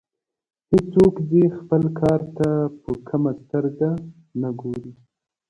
هیڅوک دې خپل کار ته په کمه سترګه نه ګوري.